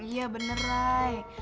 iya bener rai